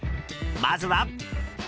まずは。